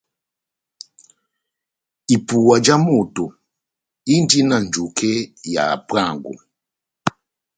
Ipuwa já moto indi na njuke ya hapuango.